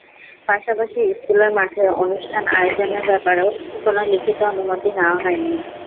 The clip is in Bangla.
পাশাপাশি স্কুলের মাঠে অনুষ্ঠান আয়োজনের ব্যাপারেও কোনো লিখিত অনুমতি নেওয়া হয়নি।